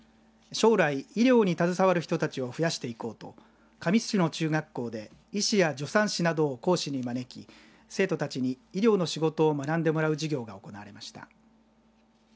将来、医療に携わる人たちを増やしていこうと神栖市の中学校で医師や助産師などを講師に招き生徒たちに医療の仕事を学んでもらう授業が行われました。